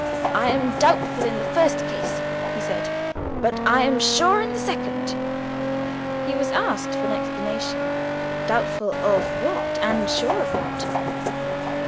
"I am doubtful in the first case," he said, "but I am sure in the second." He was asked for an explanation: "Doubtful of what? and sure of what?"